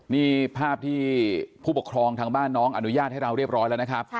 นี่ภาพที่ผู้ปกครองทางบ้านน้องอนุญาตให้เราเรียบร้อยแล้วนะครับ